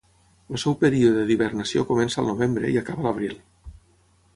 El seu període d'hibernació comença al novembre i acaba a l'abril.